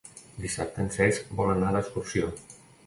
Dissabte en Cesc vol anar d'excursió.